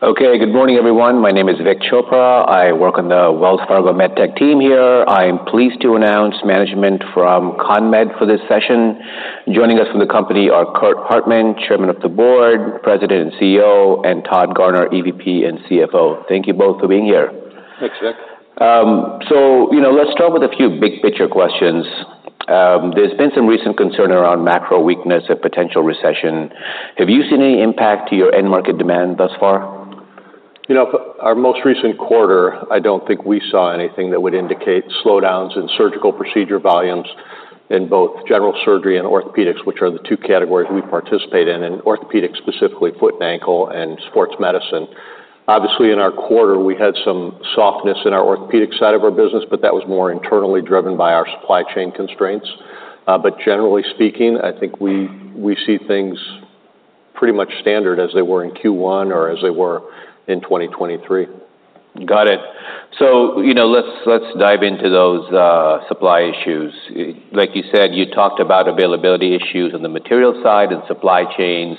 Okay, good morning, everyone. My name is Vik Chopra. I work on the Wells Fargo medtech team here. I'm pleased to announce management from CONMED for this session. Joining us from the company are Curt Hartman, Chairman of the Board, President, and CEO, and Todd Garner, EVP and CFO. Thank you both for being here. Thanks, Vik. So, you know, let's start with a few big picture questions. There's been some recent concern around macro weakness and potential recession. Have you seen any impact to your end market demand thus far? You know, our most recent quarter, I don't think we saw anything that would indicate slowdowns in surgical procedure volumes in both general surgery and orthopedics, which are the two categories we participate in, in orthopedics, specifically foot and ankle and sports medicine. Obviously, in our quarter, we had some softness in our orthopedic side of our business, but that was more internally driven by our supply chain constraints. But generally speaking, I think we see things pretty much standard as they were in Q1 or as they were in 2023. Got it. So, you know, let's, let's dive into those supply issues. Like you said, you talked about availability issues on the material side and supply chains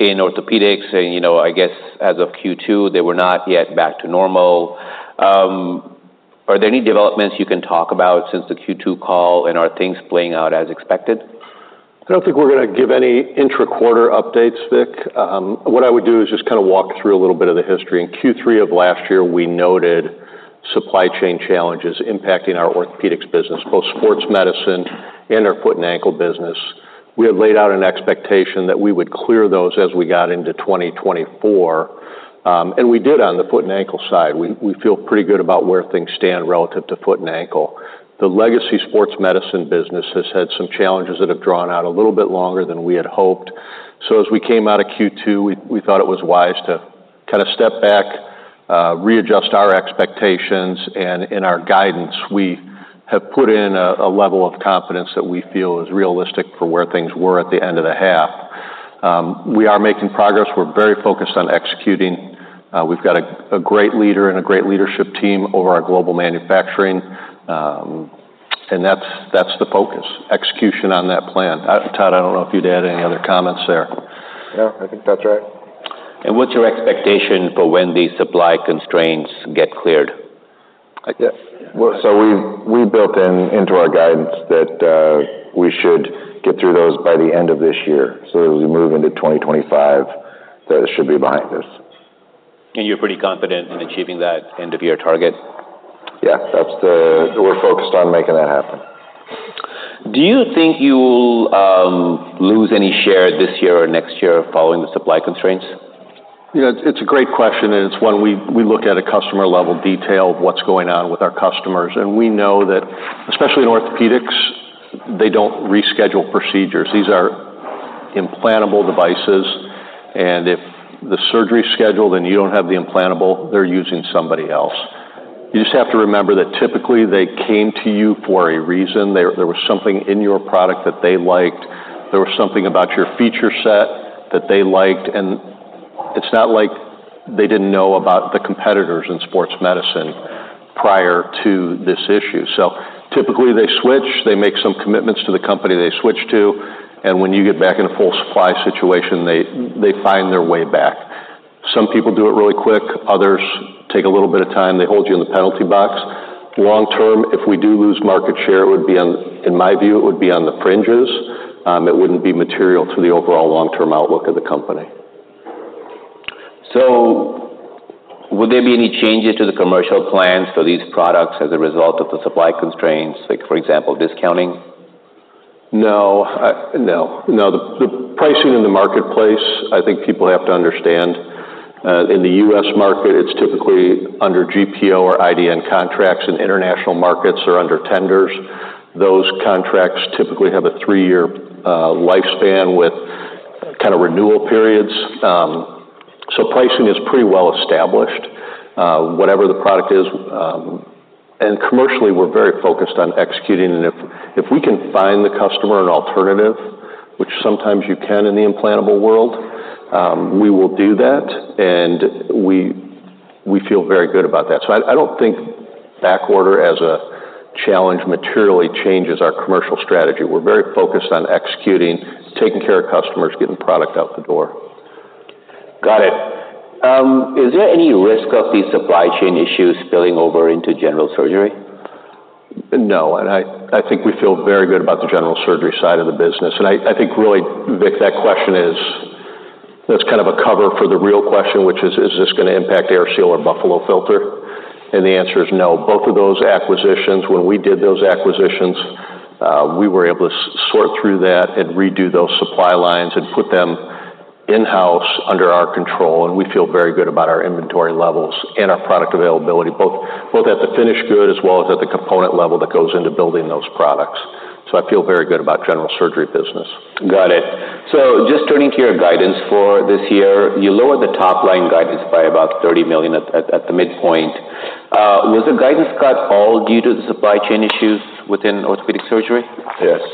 in orthopedics, and, you know, I guess as of Q2, they were not yet back to normal. Are there any developments you can talk about since the Q2 call, and are things playing out as expected? I don't think we're going to give any intra-quarter updates, Vik. What I would do is just kind of walk through a little bit of the history. In Q3 of last year, we noted supply chain challenges impacting our orthopedics business, both sports medicine and our foot and ankle business. We had laid out an expectation that we would clear those as we got into 2024, and we did on the foot and ankle side. We feel pretty good about where things stand relative to foot and ankle. The legacy sports medicine business has had some challenges that have drawn out a little bit longer than we had hoped. So as we came out of Q2, we thought it was wise to kind of step back, readjust our expectations, and in our guidance, we have put in a level of confidence that we feel is realistic for where things were at the end of the half. We are making progress. We're very focused on executing. We've got a great leader and a great leadership team over our global manufacturing, and that's the focus, execution on that plan. Todd, I don't know if you'd add any other comments there. Yeah, I think that's right. What's your expectation for when these supply constraints get cleared? I guess- We built into our guidance that we should get through those by the end of this year. As we move into 2025, it should be behind us. You're pretty confident in achieving that end-of-year target? Yeah, that's the... We're focused on making that happen. Do you think you'll lose any share this year or next year following the supply constraints? You know, it's a great question, and it's one we look at a customer-level detail of what's going on with our customers, and we know that, especially in orthopedics, they don't reschedule procedures. These are implantable devices, and if the surgery is scheduled and you don't have the implantable, they're using somebody else. You just have to remember that typically they came to you for a reason. There was something in your product that they liked. There was something about your feature set that they liked, and it's not like they didn't know about the competitors in sports medicine prior to this issue. So typically, they switch, they make some commitments to the company they switch to, and when you get back in a full supply situation, they find their way back. Some people do it really quick, others take a little bit of time. They hold you in the penalty box. Long term, if we do lose market share, it would be on, in my view, it would be on the fringes. It wouldn't be material to the overall long-term outlook of the company. So would there be any changes to the commercial plans for these products as a result of the supply constraints, like, for example, discounting? No. The pricing in the marketplace, I think people have to understand, in the U.S. market, it's typically under GPO or IDN contracts, and international markets are under tenders. Those contracts typically have a three-year lifespan with kind of renewal periods, so pricing is pretty well established, whatever the product is, and commercially, we're very focused on executing, and if we can find the customer an alternative, which sometimes you can in the implantable world, we will do that, and we feel very good about that, so I don't think backorder as a challenge materially changes our commercial strategy. We're very focused on executing, taking care of customers, getting product out the door. Got it. Is there any risk of these supply chain issues spilling over into general surgery? No, and I, I think we feel very good about the general surgery side of the business, and I, I think really, Vik, that question is... That's kind of a cover for the real question, which is: Is this gonna impact AirSeal or Buffalo Filter? And the answer is no. Both of those acquisitions, when we did those acquisitions, we were able to sort through that and redo those supply lines and put them in-house under our control, and we feel very good about our inventory levels and our product availability, both, both at the finished good as well as at the component level that goes into building those products, so I feel very good about general surgery business. Got it. So just turning to your guidance for this year, you lowered the top-line guidance by about $30 million at the midpoint. Was the guidance cut all due to the supply chain issues within orthopedic surgery? Yes.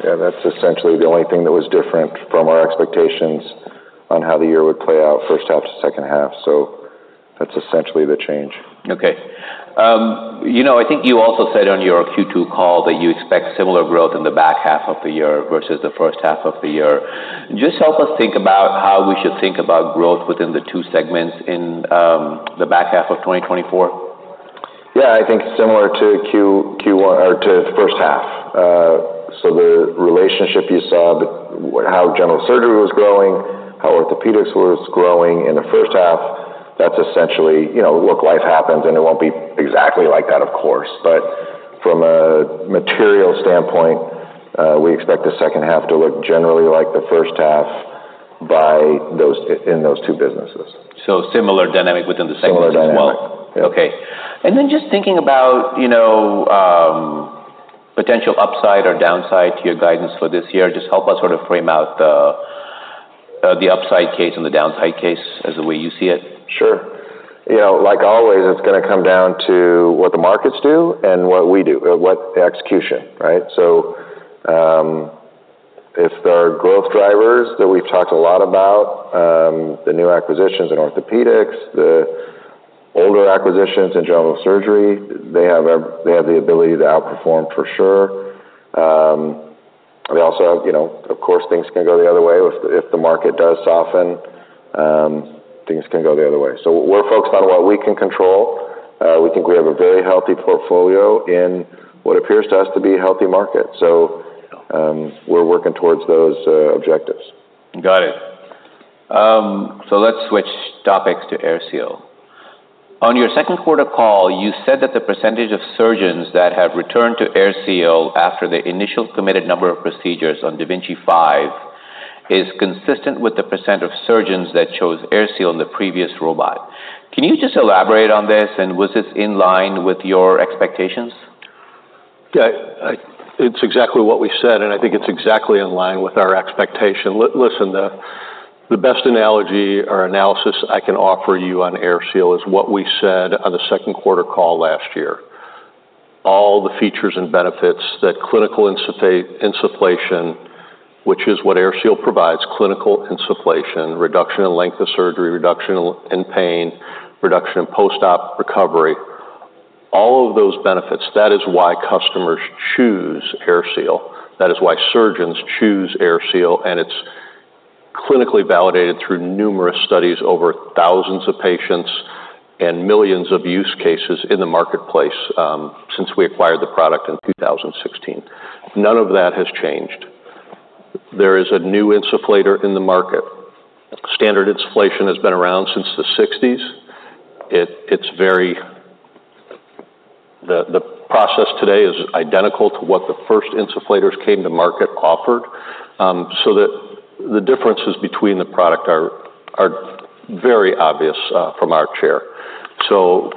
Yeah, that's essentially the only thing that was different from our expectations on how the year would play out, first half to second half. Essentially the change. Okay. You know, I think you also said on your Q2 call that you expect similar growth in the back half of the year versus the first half of the year. Just help us think about how we should think about growth within the two segments in the back half of 2024. Yeah, I think similar to Q1 or to the first half, so the relationship you saw, how general surgery was growing, how orthopedics was growing in the first half. That's essentially, you know, look, life happens, and it won't be exactly like that, of course, but from a material standpoint, we expect the second half to look generally like the first half in those two businesses. So similar dynamic within the segments as well? Similar dynamic. Okay. And then just thinking about, you know, potential upside or downside to your guidance for this year. Just help us sort of frame out the upside case and the downside case as the way you see it? Sure. You know, like always, it's gonna come down to what the markets do and what we do, or what the execution, right? So, if there are growth drivers that we've talked a lot about, the new acquisitions in orthopedics, the older acquisitions in general surgery, they have the ability to outperform, for sure. They also, you know, of course, things can go the other way. If the market does soften, things can go the other way. So we're focused on what we can control. We think we have a very healthy portfolio in what appears to us to be a healthy market. So, we're working towards those objectives. Got it. So let's switch topics to AirSeal. On your second quarter call, you said that the percentage of surgeons that have returned to AirSeal after the initial committed number of procedures on da Vinci 5 is consistent with the percent of surgeons that chose AirSeal in the previous robot. Can you just elaborate on this, and was this in line with your expectations? Yeah, it's exactly what we said, and I think it's exactly in line with our expectation. Listen, the best analogy or analysis I can offer you on AirSeal is what we said on the second quarter call last year. All the features and benefits that clinical insufflation, which is what AirSeal provides, clinical insufflation, reduction in length of surgery, reduction in pain, reduction in post-op recovery, all of those benefits, that is why customers choose AirSeal. That is why surgeons choose AirSeal, and it's clinically validated through numerous studies over thousands of patients and millions of use cases in the marketplace, since we acquired the product in 2016. None of that has changed. There is a new insufflator in the market. Standard insufflation has been around since the 1960s. It's very... The process today is identical to what the first insufflators came to market offered, so that the differences between the product are very obvious from our chair. So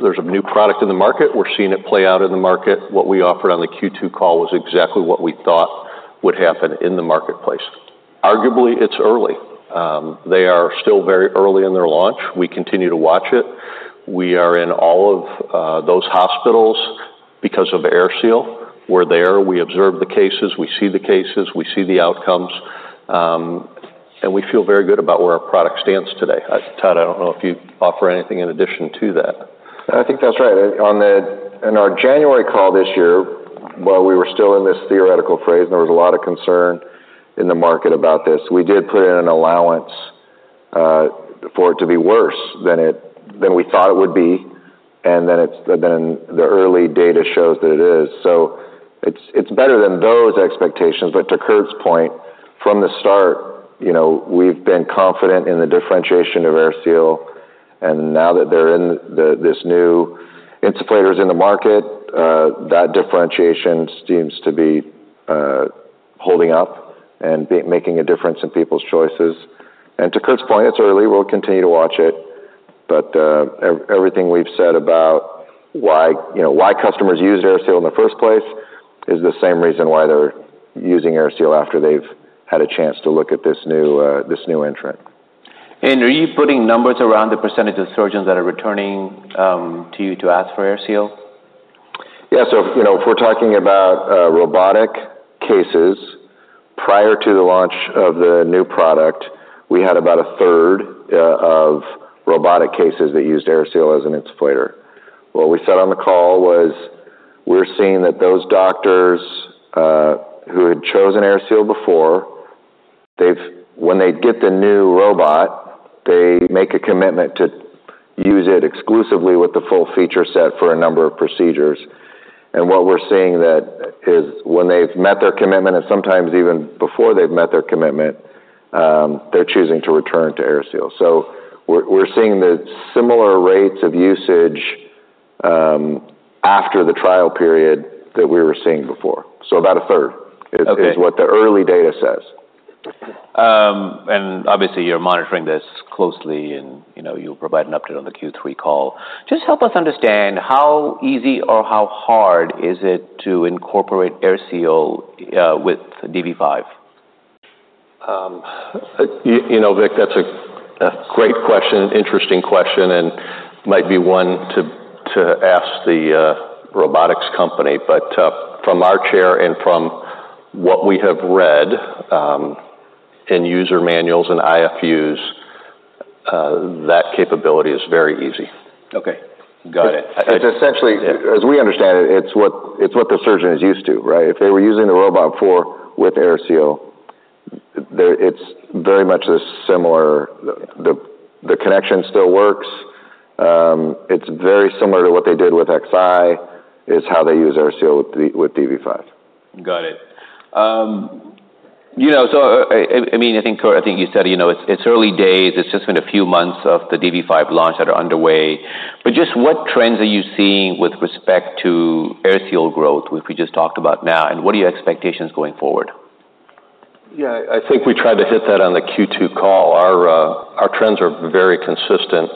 there's a new product in the market. We're seeing it play out in the market. What we offered on the Q2 call was exactly what we thought would happen in the marketplace. Arguably, it's early. They are still very early in their launch. We continue to watch it. We are in all of those hospitals because of AirSeal. We're there. We observe the cases, we see the cases, we see the outcomes, and we feel very good about where our product stands today. Todd, I don't know if you'd offer anything in addition to that. I think that's right. In our January call this year, while we were still in this theoretical phase, and there was a lot of concern in the market about this, we did put in an allowance for it to be worse than we thought it would be, and then than the early data shows that it is, so it's better than those expectations, but to Curt's point, from the start, you know, we've been confident in the differentiation of AirSeal, and now that this new insufflator's in the market, that differentiation seems to be holding up and making a difference in people's choices, and to Curt's point, it's early. We'll continue to watch it, but everything we've said about why, you know, why customers use AirSeal in the first place is the same reason why they're using AirSeal after they've had a chance to look at this new, this new entrant. Are you putting numbers around the percentage of surgeons that are returning to you to ask for AirSeal? Yeah, so, you know, if we're talking about robotic cases, prior to the launch of the new product, we had about 1/3 of robotic cases that used AirSeal as an insufflator. What we said on the call was we're seeing that those doctors who had chosen AirSeal before, they've, when they get the new robot, they make a commitment to use it exclusively with the full feature set for a number of procedures. And what we're seeing that is when they've met their commitment, and sometimes even before they've met their commitment, they're choosing to return to AirSeal. So we're seeing the similar rates of usage after the trial period that we were seeing before. So about 1/3- Okay. is what the early data says. Obviously, you're monitoring this closely, and, you know, you'll provide an update on the Q3 call. Just help us understand how easy or how hard is it to incorporate AirSeal with DV5? You know, Vik, that's a great question, interesting question, and might be one to ask the robotics company. But, from our chair and from what we have read, end user manuals and IFUs, that capability is very easy. Okay, got it. It's essentially, as we understand it, it's what the surgeon is used to, right? If they were using the robot before with AirSeal, the connection still works. It's very similar to what they did with Xi. It's how they use AirSeal with the DV5. Got it. You know, so I mean, I think, Curt, I think you said, you know, it's early days. It's just been a few months of the DV5 launch that are underway. But just what trends are you seeing with respect to AirSeal growth, which we just talked about now, and what are your expectations going forward? Yeah, I think we tried to hit that on the Q2 call. Our trends are very consistent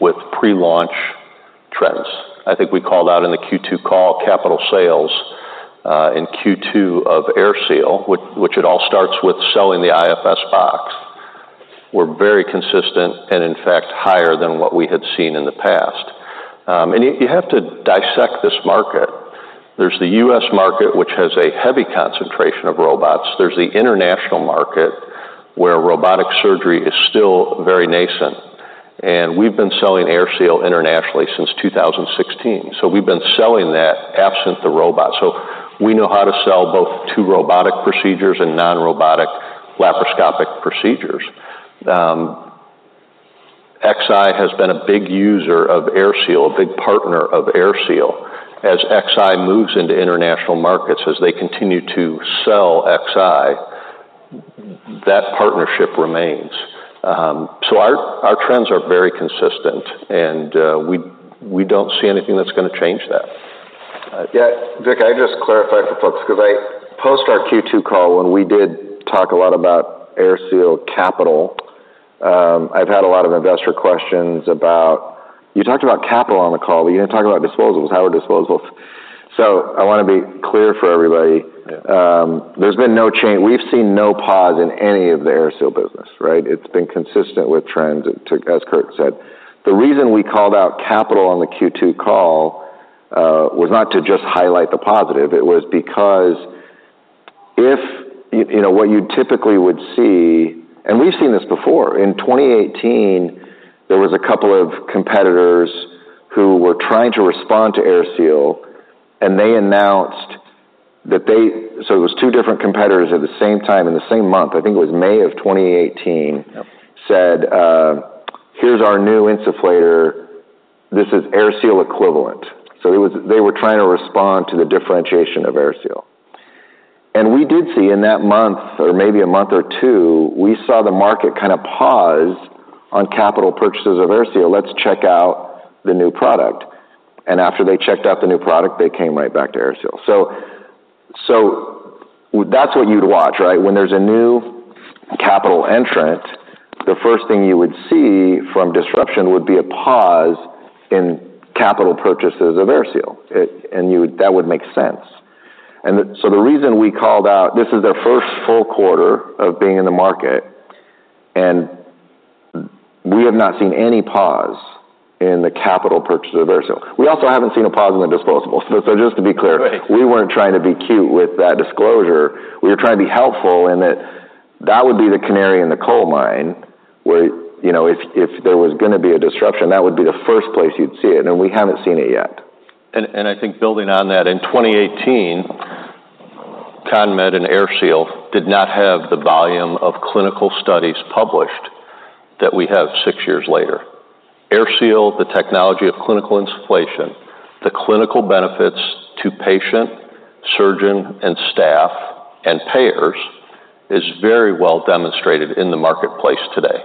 with pre-launch trends. I think we called out in the Q2 call capital sales in Q2 of AirSeal, which it all starts with selling the IFS box, were very consistent and, in fact, higher than what we had seen in the past, and you have to dissect this market. There's the U.S. market, which has a heavy concentration of robots. There's the international market, where robotic surgery is still very nascent, and we've been selling AirSeal internationally since two thousand and sixteen, so we've been selling that absent the robot, so we know how to sell both to robotic procedures and non-robotic laparoscopic procedures. Xi has been a big user of AirSeal, a big partner of AirSeal. As Xi moves into international markets, as they continue to sell Xi, that partnership remains. So our trends are very consistent, and we don't see anything that's gonna change that. Yeah, Vik, I just clarify for folks, because, post our Q2 call, when we did talk a lot about AirSeal capital. I've had a lot of investor questions about, "You talked about capital on the call, but you didn't talk about disposables. How are disposables?" So I want to be clear for everybody. There's been no change. We've seen no pause in any of the AirSeal business, right? It's been consistent with trends, as Curt said. The reason we called out capital on the Q2 call was not to just highlight the positive. It was because, you know, what you typically would see... and we've seen this before. In 2018, there was a couple of competitors who were trying to respond to AirSeal, and they announced that they- so it was two different competitors at the same time, in the same month, I think it was May of 2018- Yep. said, "Here's our new insufflator. This is AirSeal equivalent." So they were trying to respond to the differentiation of AirSeal. And we did see in that month, or maybe a month or two, we saw the market kind of pause on capital purchases of AirSeal. Let's check out the new product. And after they checked out the new product, they came right back to AirSeal. So that's what you'd watch, right? When there's a new capital entrant, the first thing you would see from disruption would be a pause in capital purchases of AirSeal. It and you would that would make sense. And so the reason we called out, this is their first full quarter of being in the market, and we have not seen any pause in the capital purchase of AirSeal. We also haven't seen a pause in the disposables. So just to be clear- Right. We weren't trying to be cute with that disclosure. We were trying to be helpful in that that would be the canary in the coal mine, where, you know, if there was gonna be a disruption, that would be the first place you'd see it, and we haven't seen it yet. I think building on that, in 2018, CONMED and AirSeal did not have the volume of clinical studies published that we have six years later. AirSeal, the technology of clinical insufflation, the clinical benefits to patient, surgeon, and staff, and payers, is very well demonstrated in the marketplace today.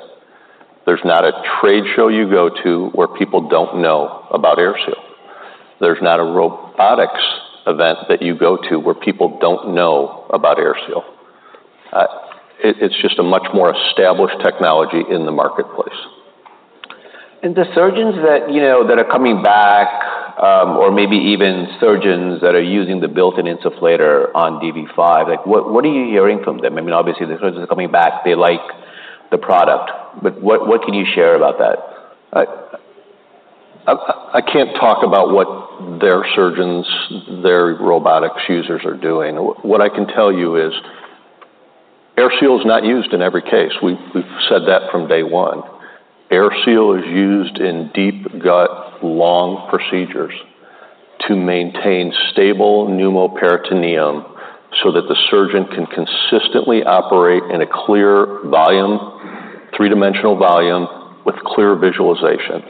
There's not a trade show you go to where people don't know about AirSeal. There's not a robotics event that you go to where people don't know about AirSeal. It's just a much more established technology in the marketplace. And the surgeons that, you know, that are coming back, or maybe even surgeons that are using the built-in insufflator on DV5, like, what, what are you hearing from them? I mean, obviously, the surgeons are coming back. They like the product, but what, what can you share about that? I can't talk about what their surgeons, their robotics users are doing. What I can tell you is AirSeal is not used in every case. We've said that from day one. AirSeal is used in deep gut, long procedures to maintain stable pneumoperitoneum so that the surgeon can consistently operate in a clear volume, three-dimensional volume, with clear visualization.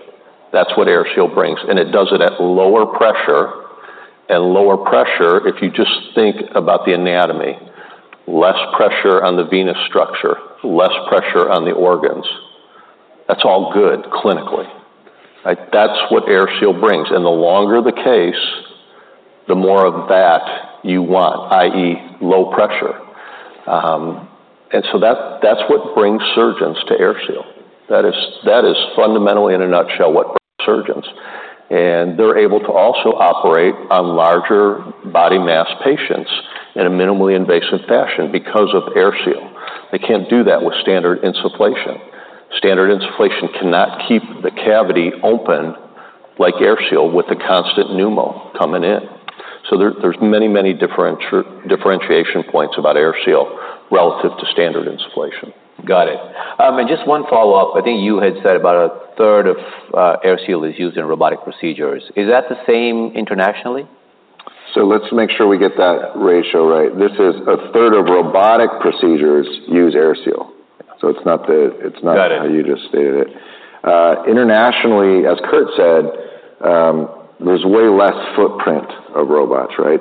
That's what AirSeal brings, and it does it at lower pressure. And lower pressure, if you just think about the anatomy, less pressure on the venous structure, less pressure on the organs. That's all good clinically. Like, that's what AirSeal brings, and the longer the case, the more of that you want, i.e., low pressure. And so that, that's what brings surgeons to AirSeal. That is fundamentally, in a nutshell, what brings surgeons. And they're able to also operate on larger body mass patients in a minimally invasive fashion because of AirSeal. They can't do that with standard insufflation. Standard insufflation cannot keep the cavity open like AirSeal with the constant pneumo coming in. So there, there's many, many differentiation points about AirSeal relative to standard insufflation. Got it. Just one follow-up. I think you had said about 1/3 of AirSeal is used in robotic procedures. Is that the same internationally? So let's make sure we get that ratio right. This is 1/3 of robotic procedures use AirSeal, so it's not the- Got it. It's not how you just stated it. Internationally, as Curt said, there's way less footprint of robots, right?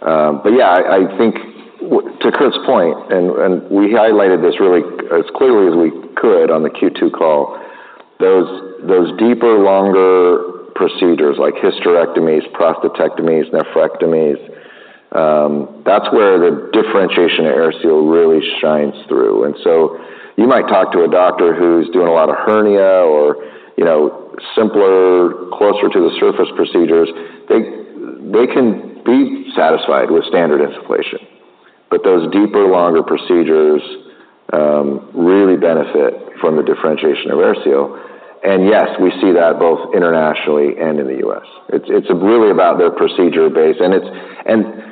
But yeah, I think to Curt's point, and we highlighted this really as clearly as we could on the Q2 call, those deeper, longer procedures like hysterectomies, prostatectomies, nephrectomies, that's where the differentiation of AirSeal really shines through. So you might talk to a doctor who's doing a lot of hernia or, you know, simpler, closer to the surface procedures. They can be satisfied with standard insufflation, but those deeper, longer procedures really benefit from the differentiation of AirSeal, and yes, we see that both internationally and in the U.S. It's really about their procedure base, and it's...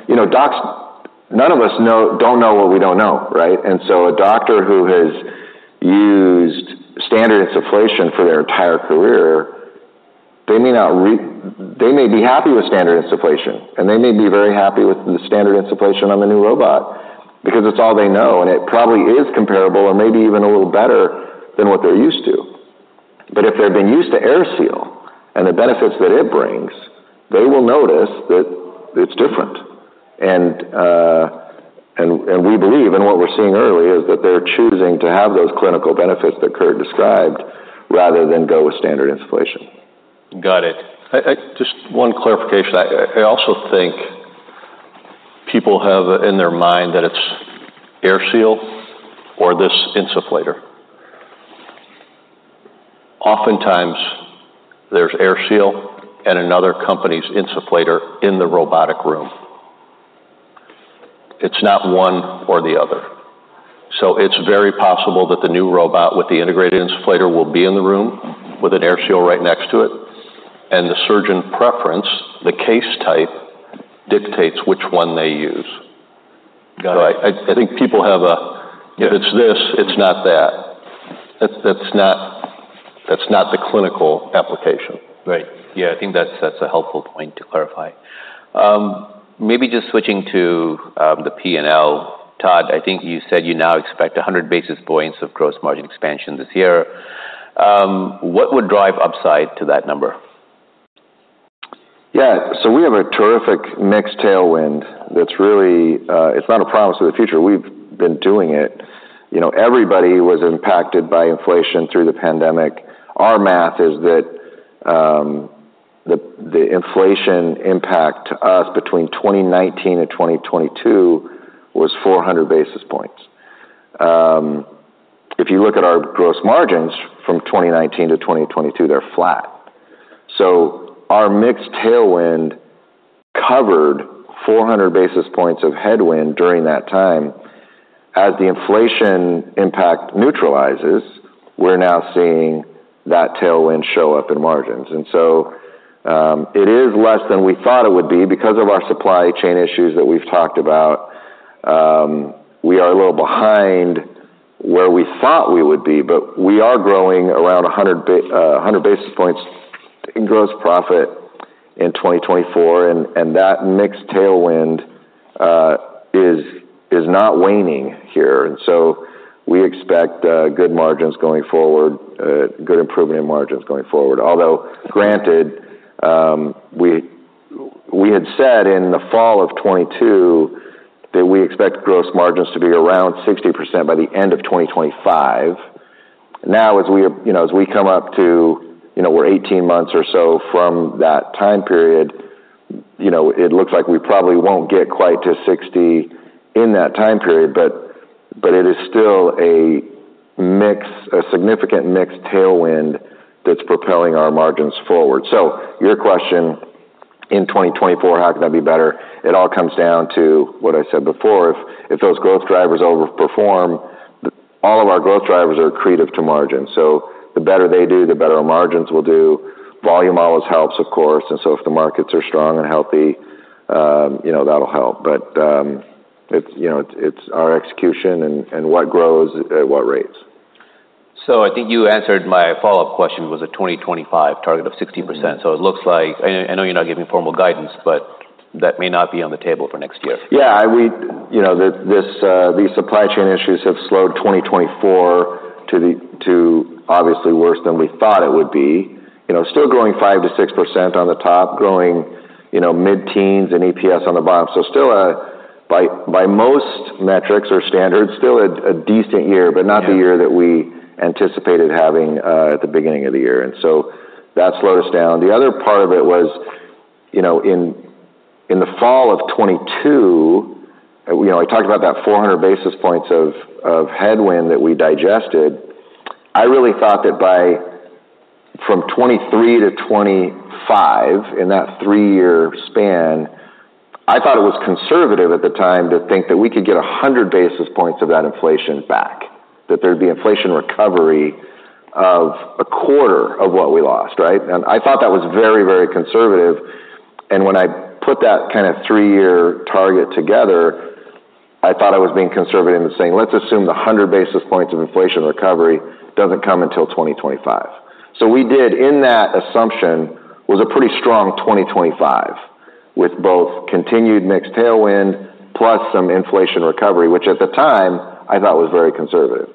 You know, docs, none of us know what we don't know, right? A doctor who has used standard insufflation for their entire career, they may be happy with standard insufflation, and they may be very happy with the standard insufflation on the new robot because it's all they know, and it probably is comparable or maybe even a little better than what they're used to. But if they've been used to AirSeal and the benefits that it brings, they will notice that it's different. We believe, and what we're seeing early, is that they're choosing to have those clinical benefits that Curt described rather than go with standard insufflation. Got it. Just one clarification. I also think people have in their mind that it's AirSeal or this insufflator. Oftentimes, there's AirSeal and another company's insufflator in the robotic room. It's not one or the other. So it's very possible that the new robot with the integrated insufflator will be in the room with an AirSeal right next to it, and the surgeon preference, the case type, dictates which one they use. Got it. So, I think people have a- Yeah. If it's this, it's not that. That, that's not the clinical application. Right. Yeah, I think that's, that's a helpful point to clarify. Maybe just switching to the P&L. Todd, I think you said you now expect 100 basis points of gross margin expansion this year. What would drive upside to that number? Yeah, so we have a terrific mixed tailwind that's really. It's not a promise for the future. We've been doing it. You know, everybody was impacted by inflation through the pandemic. Our math is that the inflation impact to us between 2019 and 2022 was 400 basis points. If you look at our gross margins from 2019 to 2022, they're flat. So our mixed tailwind covered 400 basis points of headwind during that time. As the inflation impact neutralizes, we're now seeing that tailwind show up in margins, and so it is less than we thought it would be. Because of our supply chain issues that we've talked about, we are a little behind where we thought we would be, but we are growing around 100 basis points in gross profit in 2024, and that mixed tailwind is not waning here. And so we expect good margins going forward, good improvement in margins going forward. Although, granted, we had said in the fall of 202 that we expect gross margins to be around 60% by the end of 2025. Now, as we have, you know, as we come up to, you know, we're 18 months or so from that time period, you know, it looks like we probably won't get quite to 60% in that time period, but it is still a mix, a significant mixed tailwind that's propelling our margins forward, so your question, in 2024, how can that be better? It all comes down to what I said before. If those growth drivers overperform, all of our growth drivers are accretive to margins, so the better they do, the better our margins will do. Volume always helps, of course, and so if the markets are strong and healthy, you know, that'll help, but it's, you know, our execution and what grows at what rates. So I think you answered my follow-up question, was a 2025 target of 60%. Mm-hmm. So it looks like... I know you're not giving formal guidance, but that may not be on the table for next year. Yeah, you know, these supply chain issues have slowed 2024 to obviously worse than we thought it would be. You know, still growing 5%-6% on the top, you know, mid-teens and EPS on the bottom. So still, by most metrics or standards, still a decent year- Yeah... but not the year that we anticipated having at the beginning of the year, and so that slowed us down. The other part of it was, you know, in the fall of 2022, you know, I talked about that 400 basis points of headwind that we digested. I really thought that by from 2023 to 2025, in that three-year span, I thought it was conservative at the time to think that we could get 100 basis points of that inflation back, that there'd be inflation recovery of a quarter of what we lost, right? And I thought that was very, very conservative, and when I put that kind of three-year target together, I thought I was being conservative in saying, "Let's assume the 100 basis points of inflation recovery doesn't come until 2025." So we did, in that assumption, was a pretty strong 2025, with both continued mixed tailwind plus some inflation recovery, which at the time, I thought was very conservative.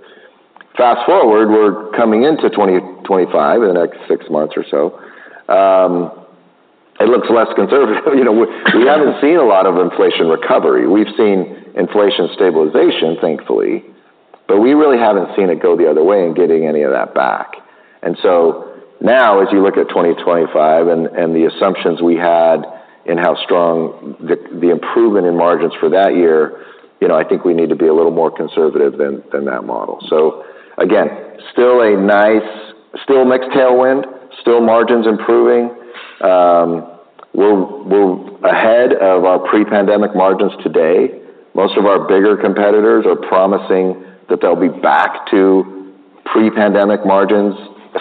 Fast forward, we're coming into 2025 in the next six months or so. It looks less conservative. You know, we, we haven't seen a lot of inflation recovery. We've seen inflation stabilization, thankfully, but we really haven't seen it go the other way in getting any of that back. So now, as you look at 2025 and the assumptions we had in how strong the improvement in margins for that year, you know, I think we need to be a little more conservative than that model. So again, still a nice mixed tailwind, still margins improving. We're ahead of our pre-pandemic margins today. Most of our bigger competitors are promising that they'll be back to pre-pandemic margins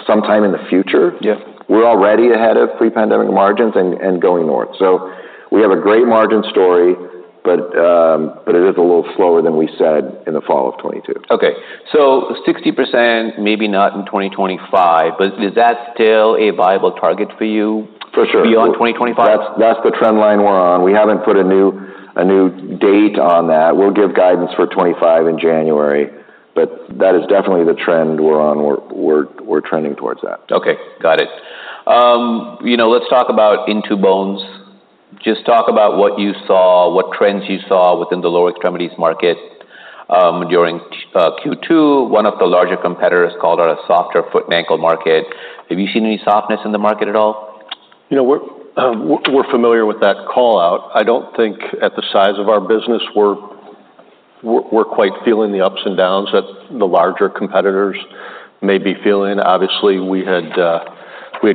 sometime in the future. Yes. We're already ahead of pre-pandemic margins and going north. So we have a great margin story, but it is a little slower than we said in the fall of 2022. Okay, so 60%, maybe not in 2025, but is that still a viable target for you? For sure. Beyond 2025? That's the trend line we're on. We haven't put a new date on that. We'll give guidance for 2025 in January, but that is definitely the trend we're on. We're trending towards that. Okay, got it. You know, let's talk about In2Bones. Just talk about what you saw, what trends you saw within the lower extremities market, during Q2. One of the larger competitors called it a softer foot and ankle market. Have you seen any softness in the market at all? You know, we're familiar with that call-out. I don't think at the size of our business, we're quite feeling the ups and downs that the larger competitors may be feeling. Obviously, we had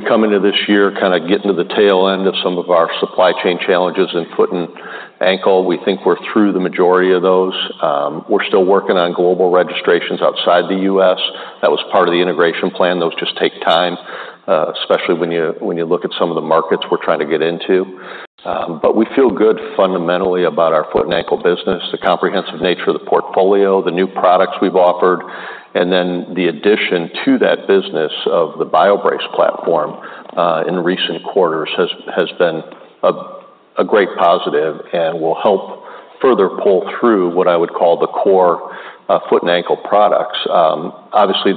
come into this year kind of getting to the tail end of some of our supply chain challenges in foot and ankle. We think we're through the majority of those. We're still working on global registrations outside the U.S. That was part of the integration plan. Those just take time, especially when you look at some of the markets we're trying to get into. But we feel good fundamentally about our foot and ankle business, the comprehensive nature of the portfolio, the new products we've offered, and then the addition to that business of the BioBrace platform in recent quarters has been a great positive and will help further pull through what I would call the core foot and ankle products. Obviously,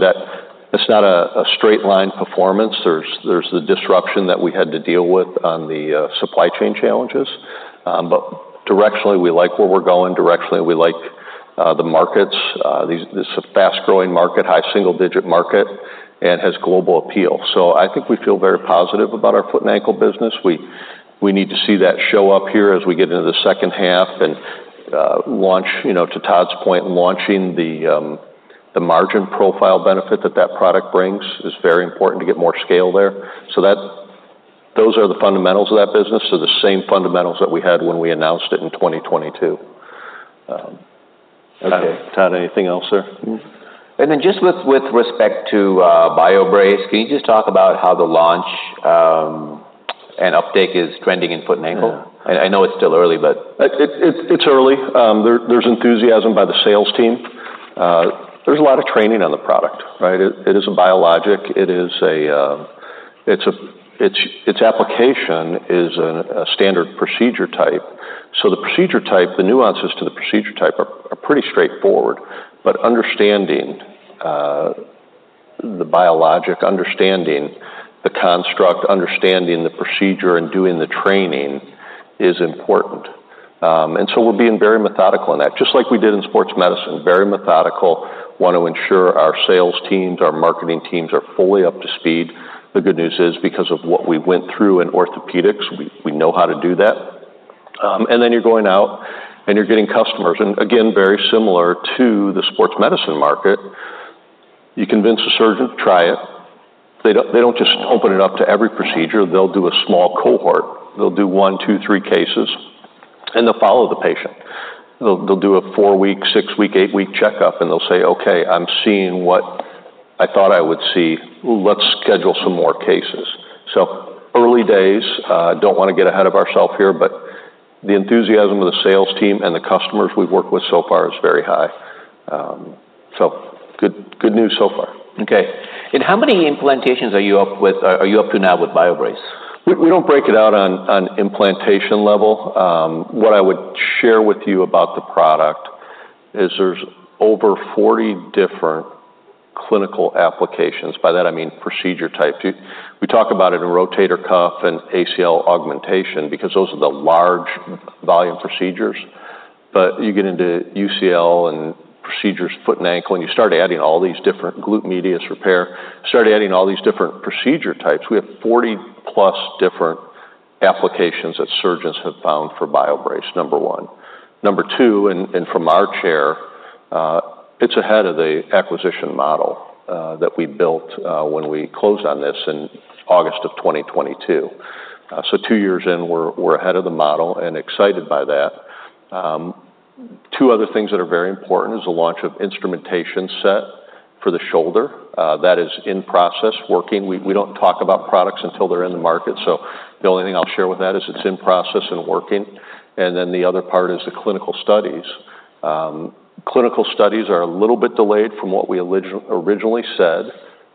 it's not a straight-line performance. There's the disruption that we had to deal with on the supply chain challenges, but directionally, we like where we're going. Directionally, we like the markets. This is a fast-growing market, high single-digit market, and has global appeal. So I think we feel very positive about our foot and ankle business. We need to see that show up here as we get into the second half and launch. You know, to Todd's point, launching the margin profile benefit that that product brings is very important to get more scale there. So, those are the fundamentals of that business. So the same fundamentals that we had when we announced it in 2022. Okay. Todd, anything else there? And then just with respect to BioBrace, can you just talk about how the launch and uptake is trending in foot and ankle? Yeah. I know it's still early, but- It's early. There's enthusiasm by the sales team. There's a lot of training on the product, right? It is a biologic. Its application is a standard procedure type, so the procedure type, the nuances to the procedure type are pretty straightforward, but understanding the biologic, understanding the construct, understanding the procedure, and doing the training is important, and so we're being very methodical in that, just like we did in sports medicine, very methodical. Want to ensure our sales teams, our marketing teams are fully up to speed. The good news is, because of what we went through in orthopedics, we know how to do that, and then you're going out, and you're getting customers, and again, very similar to the sports medicine market, you convince a surgeon to try it. They don't, they don't just open it up to every procedure. They'll do a small cohort. They'll do one, two, three cases, and they'll follow the patient. They'll, they'll do a four-week, six-week, eight-week checkup, and they'll say, "Okay, I'm seeing what I thought I would see. Let's schedule some more cases." So early days, don't wanna get ahead of ourself here, but the enthusiasm of the sales team and the customers we've worked with so far is very high. So good, good news so far. Okay. And how many implantations are you up to now with BioBrace? We don't break it out on implantation level. What I would share with you about the product is there's over 40 different clinical applications. By that, I mean procedure type. We talk about it in rotator cuff and ACL augmentation because those are the large volume procedures, but you get into UCL and procedures, foot and ankle, and you start adding all these different glute medius repair, start adding all these different procedure types. We have 40+ different applications that surgeons have found for BioBrace, number one. Number two, and from our chair, it's ahead of the acquisition model that we built when we closed on this in August of 2022. So two years in, we're ahead of the model and excited by that. Two other things that are very important is the launch of instrumentation set for the shoulder. That is in process, working. We don't talk about products until they're in the market, so the only thing I'll share with that is it's in process and working. Then the other part is the clinical studies. Clinical studies are a little bit delayed from what we originally said.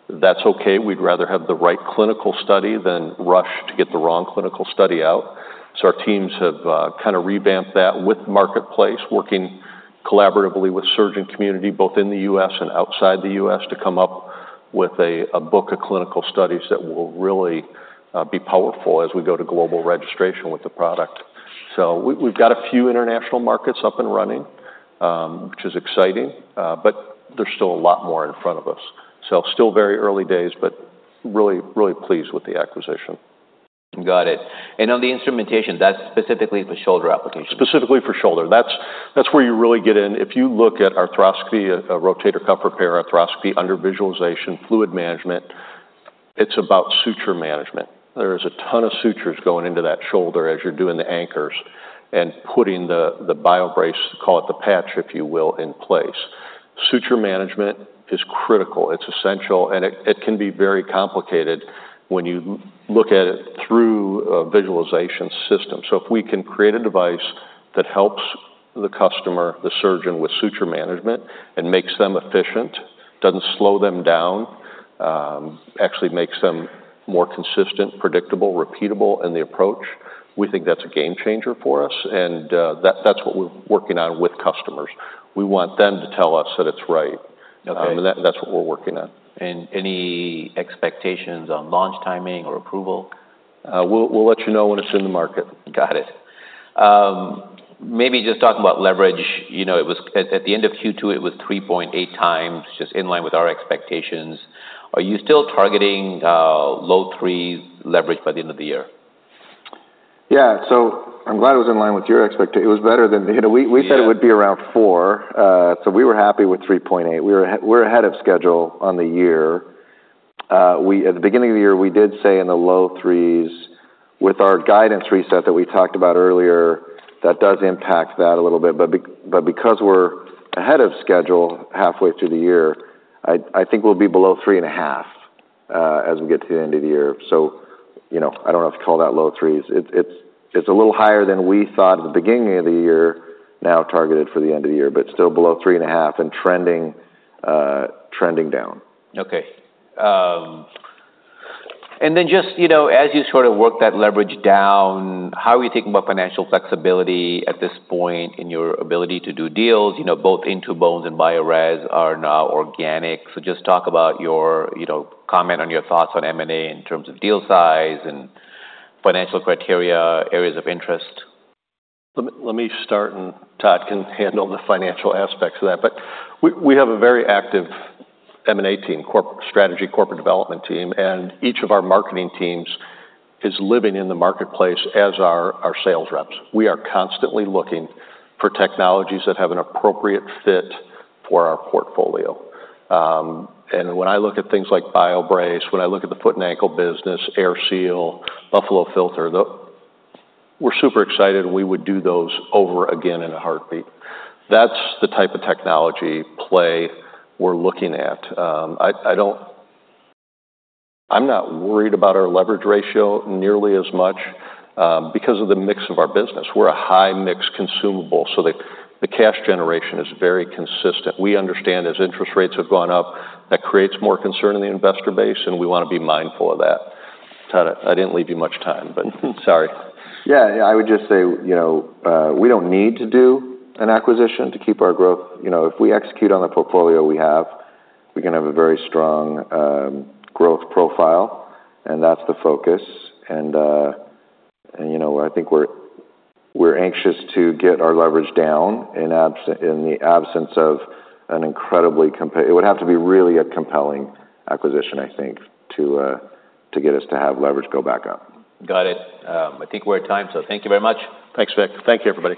That's okay. We'd rather have the right clinical study than rush to get the wrong clinical study out. So our teams have kind of revamped that with marketplace, working collaboratively with surgeon community, both in the U.S. and outside the U.S., to come up with a book of clinical studies that will really be powerful as we go to global registration with the product. So we've got a few international markets up and running, which is exciting, but there's still a lot more in front of us. So still very early days, but really, really pleased with the acquisition. Got it. And on the instrumentation, that's specifically for shoulder applications? Specifically for shoulder. That's where you really get in. If you look at arthroscopy, a rotator cuff repair, arthroscopy, under visualization, fluid management, it's about suture management. There is a ton of sutures going into that shoulder as you're doing the anchors and putting the BioBrace, call it the patch, if you will, in place. Suture management is critical. It's essential, and it can be very complicated when you look at it through a visualization system. So if we can create a device that helps the customer, the surgeon, with suture management and makes them efficient, doesn't slow them down, actually makes them more consistent, predictable, repeatable in the approach, we think that's a game changer for us, and that's what we're working on with customers. We want them to tell us that it's right. Okay. And that, that's what we're working on. Any expectations on launch timing or approval? We'll let you know when it's in the market. Got it. Maybe just talking about leverage, you know, it was at the end of Q2 3.8x, just in line with our expectations. Are you still targeting low threes leverage by the end of the year? Yeah. So I'm glad it was in line with your expectations. It was better than, you know- Yeah. We said it would be around 4x, so we were happy with 3.8x. We're ahead of schedule on the year. At the beginning of the year, we did say in the low 3s. With our guidance reset that we talked about earlier, that does impact that a little bit, but because we're ahead of schedule halfway through the year, I think we'll be below three and a half as we get to the end of the year. You know, I don't know if to call that low 3x. It's a little higher than we thought at the beginning of the year, now targeted for the end of the year, but still below three and a half and trending down. Okay. And then just, you know, as you sort of work that leverage down, how are you thinking about financial flexibility at this point in your ability to do deals? You know, both In2Bones and BioRez are now organic, so just talk about your... You know, comment on your thoughts on M&A in terms of deal size and financial criteria, areas of interest. Let me start, and Todd can handle the financial aspects of that. But we have a very active M&A team, corporate strategy, corporate development team, and each of our marketing teams is living in the marketplace as our sales reps. We are constantly looking for technologies that have an appropriate fit for our portfolio. And when I look at things like BioBrace, when I look at the foot and ankle business, AirSeal, Buffalo Filter, we're super excited, and we would do those over again in a heartbeat. That's the type of technology play we're looking at. I'm not worried about our leverage ratio nearly as much, because of the mix of our business. We're a high-mix consumable, so the cash generation is very consistent. We understand as interest rates have gone up, that creates more concern in the investor base, and we wanna be mindful of that. Todd, I didn't leave you much time, but sorry. Yeah. Yeah, I would just say, you know, we don't need to do an acquisition to keep our growth. You know, if we execute on the portfolio we have, we're gonna have a very strong growth profile, and that's the focus. And, and, you know, I think we're anxious to get our leverage down in the absence of an incredibly compelling. It would have to be really a compelling acquisition, I think, to get us to have leverage go back up. Got it. I think we're at time, so thank you very much. Thanks, Vik. Thank you, everybody.